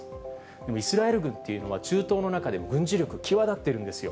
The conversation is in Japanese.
でもイスラエル軍っていうのは、中東の中でも軍事力、際立ってるんですよ。